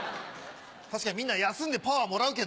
確かにみんな休んでパワーもらうけど。